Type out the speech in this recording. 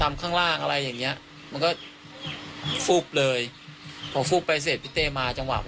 แล้วก็หลงเข้าไปทำข้างล่าง